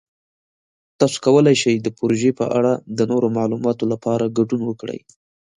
تاسو کولی شئ د پروژې په اړه د نورو معلوماتو لپاره ګډون وکړئ.